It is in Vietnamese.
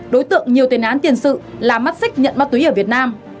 đối tượng nhiều tên án tiền sự là mắt xích nhận ma túy ở việt nam